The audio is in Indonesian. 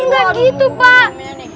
gak gitu pak